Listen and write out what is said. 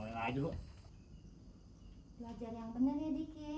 warna kalas di